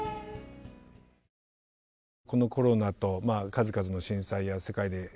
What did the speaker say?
このコロナと数々の震災や世界で今もね